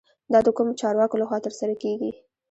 دا د کومو چارواکو له خوا ترسره کیږي؟